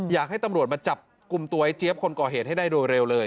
อยากให้ตำรวจมาจับกลุ่มตัวไอ้เจี๊ยบคนก่อเหตุให้ได้โดยเร็วเลย